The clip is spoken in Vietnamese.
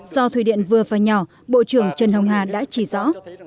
do thủy điện vừa và nhỏ bộ trưởng trần hồng hà đã chỉ rõ